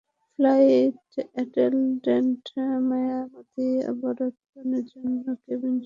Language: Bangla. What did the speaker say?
ফ্লাইট অ্যাটেনডেন্ট, মায়ামিতে অবতরণের জন্য কেবিন সুরক্ষিত করুন।